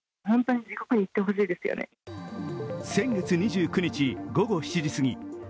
先月２９日、午後７時過ぎ。